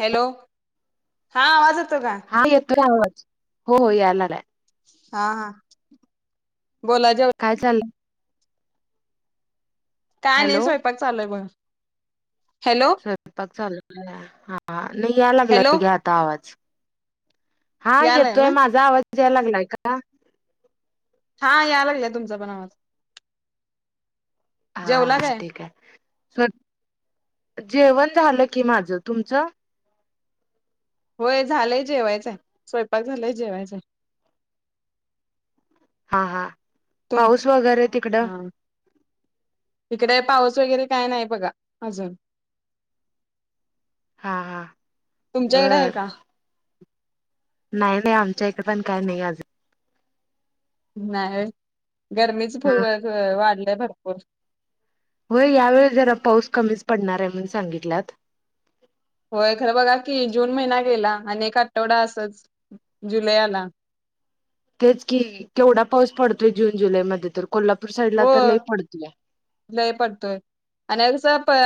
Hello हा आवाज येतोय? हा येतोय आवाज हो हो यायलागलाय. हा हा. बोला जेव काय चाललंय. काय नाही हॅलो स्वयंपाक चालूय हाय बघा. हॅलो स्वयंपाक चालू हा नाही याय लागला हॅलो का घ्या आता आवाज हा यालाय येतोय ना माझा आवाज द्याय लागलाय का हा यालागे तुमचा पण आवाज हा जेवला हा काय ठीक आहे स् जेवण झालं की माझं तुमचं होय झालंय जेवायचंय स्वयंपाक झालाय जेवायचंय हा हा तुम पाऊस वगैरे तिकडं हा इकडे पाऊस वगैरे काय नाही बघा अजून हा हा तुमच्याकडे आहे बरं का नाही नाही आमच्या इकडे पण काही नाही आज नाही गरमीच पूर ह वाढलंय भरपूर होय यावेेळी जरा पाऊस कमीच पडणार आहे म्हण सांगितल्यात होय खरं बघा कि जून महिना गेला आणिने एक आठवडा असच जुलैला [inaudible] तेच कि केवढा पाऊस पडतोय जून जुलै मध्ये तर कोल्हापूर साईडला हो तर लई पडतोय लय पडतोय आणि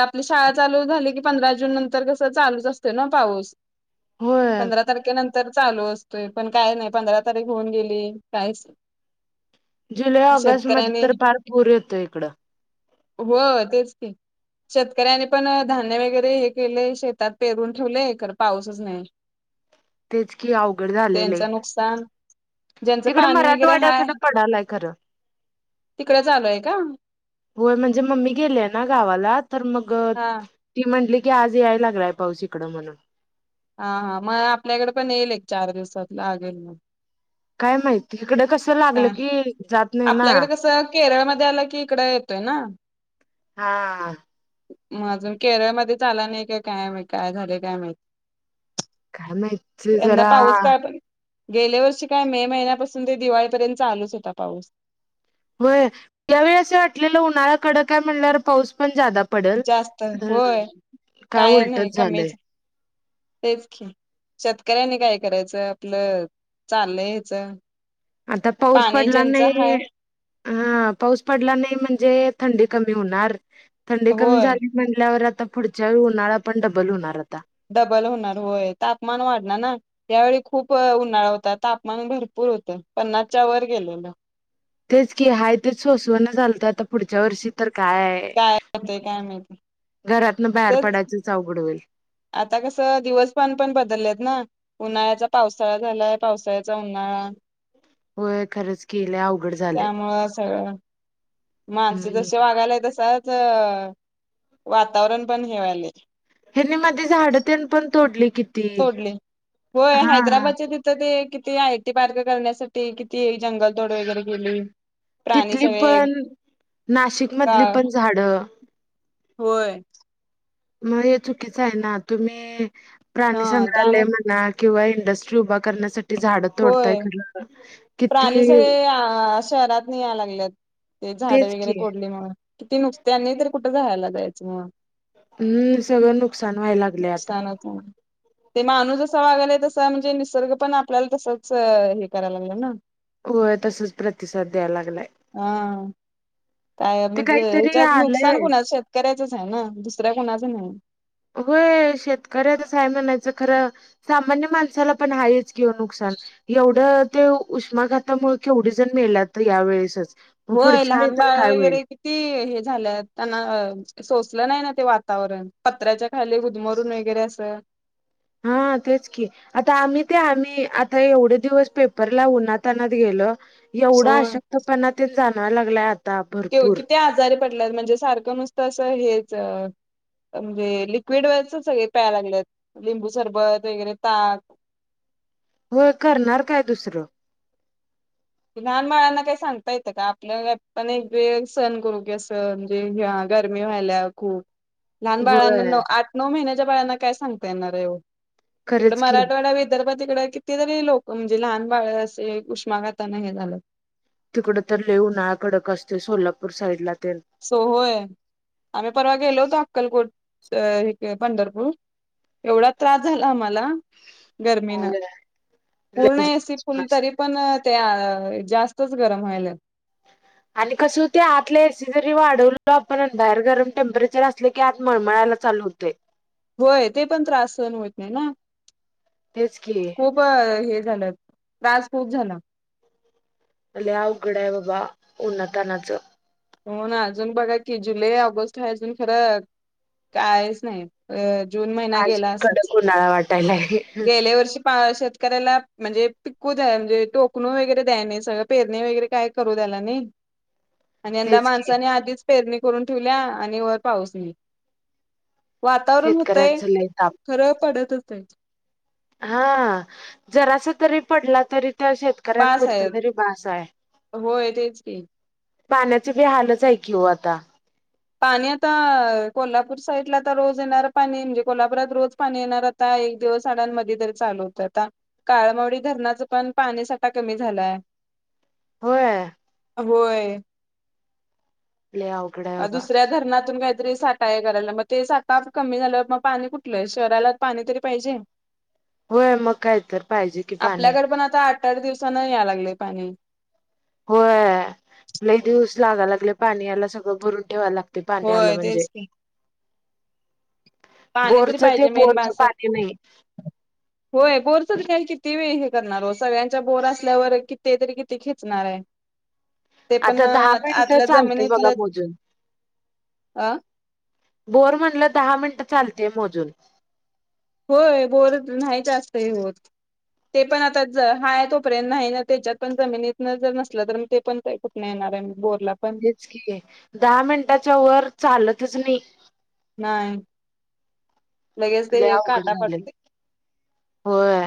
आपली शाळा चालू झाली पंधरा जून नंतर कस चालुच अतयस ना पाऊस होय पंधरा तारन तर चालू असतोय पण काय नाही पंधरा तारीख होऊन गेली कायच जुलै ऑगस्ट मध्ये तर फार पूर येतो इकडं हो तेच ते शेतकऱ्यांनी पण धान्य वगैरे हे केले शेतात पेरून ठेवले हे ख पाऊसच नाही तेच की अवघड झालेलं आहे त्यांचं नुकसान ज्यांचं तिकडे पाणी वगैरे हाय मराठवाड्याकडे पडालाय खरं तिकडे चालूय का होय म्हणजे मम्मी गेलेय ना गावाला तर मग हा ती म्हटली आज याय लागलाय पाऊस इकड म्हणून हा हा मग आपल्याकडे पण येईल एक चार दिवसात लागेल मग काय माहिती इकडे कस लागलं काय की ज आपल्याकडे कसं केरळमध्येध्ये आलं की इकड येतोय ना हा अजून केरळमध्येध्ये चाला नाही काय काय काय झालं काय मा कायमच जरा काय पण गेल्या वर्षी काय मे महिन्यापासून ते दिवाळीपर्यंत चालूच होता पाऊस होय यावेळी असं वाटलेलं उन्हाळा कडं काय म्हणणार पाऊस पण जादा पडेल जास्त होय काय नाही उलटच झालंय कमीच तेच शेतकऱ्यांनी काय करायचं आपलं चाललं यायचं आता पाऊस पडला नाही हा पाऊस पडला नाही म्हणजे थंडी कमी होणार थंडी कमी होय झाली म्हल्यावर आता पुढच्याळणारा पण डबल होणार आता डबल होणार होय तापमान वाढणार ना त्यावेळी खूप उन्हाळा होता तापमान भरपूर र होत पन्नासच्या वर गेलेलं तेच की हाय तेच सवसवण चालतं आता पुढच्या वर्षी तर काय हो ते काय माहिती घरातन बाहेर असच पडायचंच अवघड होईल आता कसं दिवस पाान पण बदललेत ना उन्हाळ्याचा पावसाळा झालाय पावसाळ्याचा उन्हाळा होय खरंच केले अवघड झाले माणसं जसे वागायलाय तसाच वातावरण पण हेवायलाय हनी मध्ये झाड तेन पण तोडली किती तोडले होय हा हैदराबादच्या तिथं ते ि आय आयटी पार्क करण्यासाठी किती जंगल तोड वगैरे गेली तिथली पण नाशिक गा मधली पण झाडं होय. मग हे चुकीचं आहे ना. तुम्ही हा प्राणी संग्रहालय त्यामुळे म्हणलात. किंवा इंडस्ट्री उभा करण्यासाठी झाडं होय तोडतायत प्राणी सगळे शहरातनी याय लागलेत. ते झाडं तेच की वगैरे तोडली म्हनून. किती नुकसांन त्यांनी तर कुठं राहा यला जायचं मग. हम्म सगळं नुकसान व्हाय लागलंय आता. नुकसान होत ते माणू जस वागालागलय तस म्हणजे निसर्ग पण आपल्याला तसच हे करायला लागलं ना. वय तसच प्रतिसाद द्याय लागलाय. हा काय ते म्हणजे काहीतरी ह्याच्यात नुकसान आलंय कुणाच. शेतकऱ्याचच आहे ना दुसऱ्या कुणाचं नाही. होय शेतकऱ्याच हाय म्हणायचं. खरं सामान्य माणसाला पण आहेच की नुकसान. एवढं ते उष्माघातामुळे केवढीजण मेल्यात तर या वेळेसच. मग होय पुढच्या वेळी लहान बाळ वगैरे किती हे झाल्यात त्यांना सो नाही ना ते वातावरण पत्र्याच्या खाली हुदमरून वगैरे असं हा तेच की आता आम्ही ते आम्ही आता एवढे दिवस पेपर ला उनातनात गेलो एवढा होय आशक्तपणा ते जाणवायला लागलाय आता भरपूर पटल्या म्हणजे सारखं नुसतं अस हेच म्हणजे लिक्विड वच सगळे प्याय लागलेत लिंबू सरबत वगैरे ताक [inaudible] होय करणार काय दुसरं लहान मुलांना काही सांगता येतं का आपल्याला पण एक वेळ सण कररोग्या अस म्हणजे ह्या गरमी व्हायल्या खूप लहान होय बाळांना आठ नऊ महिन्याच्या बाळांना काय सांगता येणार आहे तिकड खरंच की मराठवाडा विदर्भ तिकडे किती तरी लोक म्हणजे लहान बाळ असे उष्माघात ता हे झालं तिकड तर लय ना कडक असते सोलापूर साईड ला सो होय आम्ही परवा गेलो होतो अक्कलकोट पंढरपूर एवढा त्रास झाला आम्हाला गर्मीन पूर्ण एसी फुल तरी पण ते जास्तच गरम व्हायल आणि कसं होते आतला एसी जरी वाढवलो आपण बाहेर गरम टेम्परेचर असले की आत मळमळालाच चालू होतेय होय ते पण त्रास सहं होत नाही ना तेच की खूप हे झाल त्रास खूप झाला आल्या अवघड आहे बाबा उन्हातानाचं हो ना अजून बघा की जुलै ऑगस्ट ह अजून खरं कायच नाही अ जून महिना आज गेला असाच कडक उन्हाळा वाटायलाय गेल्या वर्षी पार करायला म्हणजे पिकू द्या म्हणजे टोकणू वगैरे द्या सगळं पेरणे वगैरे काय करू द्यायला नाही [inaudible] आणि यंदा तेच की माणसानी आधीच पेरणी करून ठेवल्या आणि वर पाऊस नाही वातावरण होतय शेतकऱ्यांचं लय ताप. खरं पडत होतय हा जरासा तरी पडला तरी त्या शेतकऱ्यां बास पुरत आहे तरी बास आहे होय तेच की पाण्याचे बी हालच आहे की ओ आता पाणी आता कोल्हापूर साईडला तर रोज येणार पाणी म्हणजे कोल्हापुरात रोज पाणी येणार आता एक दिवसडांमध्ये तरी चालू होतं आता काळमडी धरणाचं पण पाणी साठा कमी झालाय [inaudible] होय होय लय अवघड आहे बाबा. दुसऱ्या धरणातून काय साठा आहे कराला मग ते साठा कमी झालावर मग पाणी कुठलंय शहराला पाणी तरी पाहिजे होय मग काय तर पाहिजे कि पाणी आपल्याकडे पण आता आठ आठ दिवसांना या लागले पाणी होय लय दिवस लागालागल्य पाणी याला सगळं भरून ठेवा लाग. ते पाणी आलं होय म्हणजे तेच की पाणी तरी बोरचं ते पाहिजे मेन बोरचं बसल पाणी नाही होय बोरच किती? किती वेळ हे करणार हो सगळ्यांचा बोर असल्यावर कि तरी किती खेचणार आहे. ते पण आता दहा मिनिटं आतल्या चालतय बघा जमिनीतल मोजून. आ. बोर म्हणलं दहा मिनटं चालतेय मोजून होय बोर नाही जास्त हे होत. ते पण आता हा तोपर्यंत नाही ना त्याच्यात पण जमिनीतन जर नसलं तर ते पण काही कुठ नाही ना. बोर. हेच कि आहे दहा मिनटाच्या वर चालतच नाही. नाही. लगेच ते लय अवघड काटा झालेलं पडतंय. होय.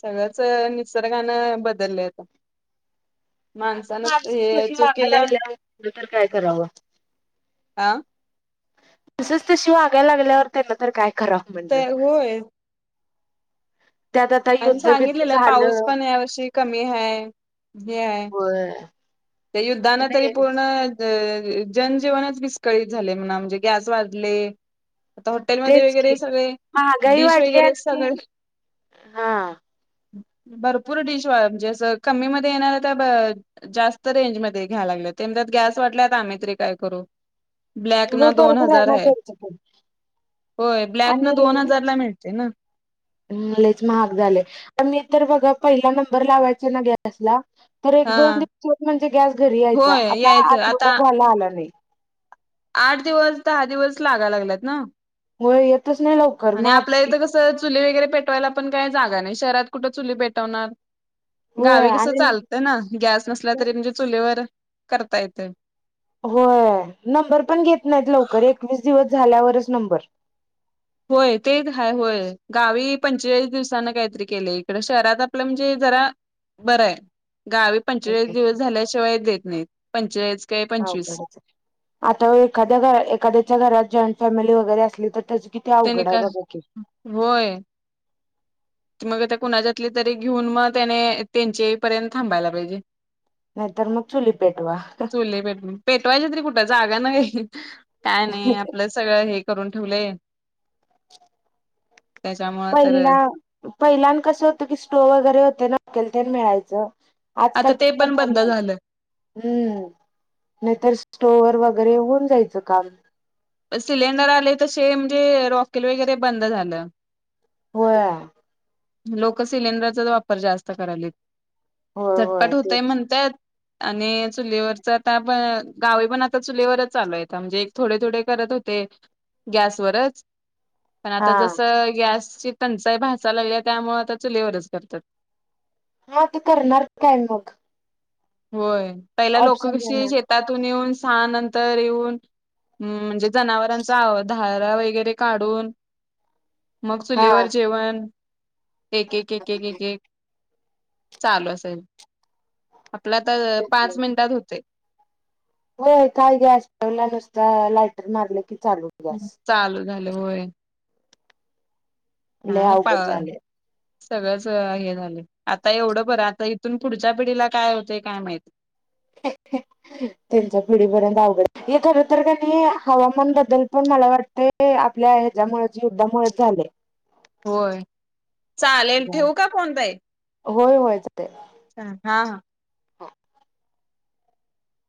सगळंच निसर्गानं बदललंय आता. आता माणसानं मानसिक हे तशी चूक वागा केल्या लागल्या तर काय करावं. आ. तसच ती वागायला लागल्यावर त्यांना तर काय कराव म्हटलं. ते होय आणि युद्धबिद्ध सांगितलेलं पाऊस झालं पण यावर्षी कमी हाय. होय हे युद्धान तरी नाही पूर्ण अ जनजीवनच विस्कळीत झाले म्हणा म्हणजे गॅस वाढले. आता हॉटेलमध्येध्ये तेच की. वगैरे सगळे महागाई डिश वाढली वगैरे आणखी सगळे. हा. भरपूर डिश म्हणजे कमी मध्ये येणार तर जास्त रेंज ममध्ये घ्याय लागलं तेत गॅस वाटल्यात आम्हीरी काय करू. ब्लॅक हो न दोन बरोबर हजार ना आहे त्यांचं पण होय ब्लॅक न दोन हजारला मिळत. ना. लेच महाग झाले प मी तर बघा पहिला नंबर लावायचा ना गॅसला. तर एक हा दोन दिवस म्हणजे गॅस घरी यायचा होय आता यायचं आठवडा आता झाला आला नाही. आठ दिवस दहा दिवस लागा लागलात ना. होय येतच नाही लवकर आणि मग आपल्या आप- इथं कसं चुली वगैरे पेटवायला पण काय जागा नाही शहरात कुठं चुली पेटवणार. होय गावी कस आणि चालतं ना गॅस नसला तरी म्हणजे चुलीवर करता येते. होय नंबर पण घेत नाहीत लवकर एकवीस दिवस झाल्यावरच नंबर होय तेच हय होय गावी पंचेचाळीस दिवसाांना काहीतरी केलं इकडं शहरात आपलं म्हणजे ज ब गावी पंचायत दिवस झाल्यािवायेत नाही पंय. अकच आता एखाद्या एखाद्याच्या घरात जॉईंट फॅमिली वगैरे असली तर त्याची किती त्याने अवघड आहे का बघा क होय मग त्या कुणाच्यातली तरी घेऊन मग त्याने त्यांच्या पर्यंत थांबायला पाहिजे. नाहीतर मग चुली पेटवा चुले पेट पेटवायचे तरी कुठ? गा न घ काय नाही आपलं सगळं हे करून ठेवले. त्याच्यामुळं तर पहिल्या कसं होतं की स्टोव वगैरे होतेकल ते मिळायचं. आता ते पण बंद आजकाल्म झालं. नाहीतर स्टोवर वर वगैरे होऊन जायचं काम सिलेंडर आले तसेे म्हणजे रॉकेल वगैरे बंद झालं. होय. लोक सिलेंडरचाच वापर जास्त करायलेत होय होय झटपट होतय तेच म्हणतयत. आणि चुलीवरच आ पण गावी पण आता चुलीवरच चालूय म्हणजे एक थोडे थोडे कर. हो गॅसवरच पण हा आता जसं गॅसची टंचाई भसा लागली त्यामु आता चुलीवरच भरतात. हा ते करणार काय मग होय पहिला लोक ऑप्शन कशी देणार शेतातून येऊन सहा नंतर येऊन हम् म्हणजे जनावरांचा धारा वगैरे काढून मग हा. चुलेवर जेवण एक एक एक एक एक चालू असेल आपला तर पाच मिनिटात होते हो काय गॅस सव ला नुसता लायटर मारले चालू झालं होय काय पा अवघड झाले सगळंच हे झालं आता एवढं बरं आता इथून पुढच्या पिढीला काय होते काय माहिती अच्छा त्यांच्या पिढीपर्यंत अवघड हे खर तर का नाही हवामान बद्दल पण मला वाटत आपल्या ह्याच्यामुळेच युद्धामुळेच झाले होय चालेल ठेवू का फोन पाई होय होय जे अ हा हा हो